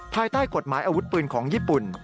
ภายใต้กฎหมายอาวุธปืนของญี่ปุ่น